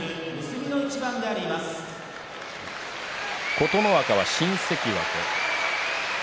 琴ノ若は新関脇。